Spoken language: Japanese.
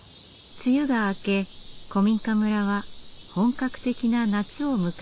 梅雨が明け古民家村は本格的な夏を迎えていました。